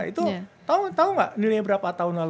itu tau gak nilainya berapa tahun lalu